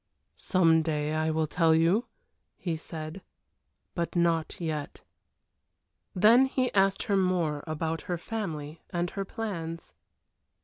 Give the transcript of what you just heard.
"Some day I will tell you," he said. "But not yet." Then he asked her more about her family and her plans.